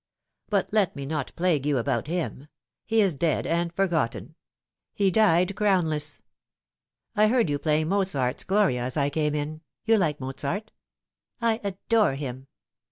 But let me not plague you about him. He is dead, and forgotten. He died crownless. I heard you playing Mozart's ' Gloria ' aa I came in. You like Mozart ?"" I adore him."